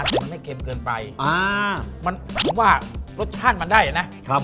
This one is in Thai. มันไม่เค็มเกินไปอ่ามันผมว่ารสชาติมันได้นะครับ